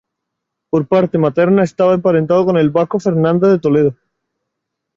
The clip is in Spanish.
Por parte materna estaba emparentado con el Vasco Fernández de Toledo.